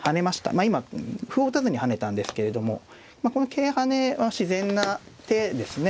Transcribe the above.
まあ今歩を打たずに跳ねたんですけれどもこの桂跳ねは自然な手ですね。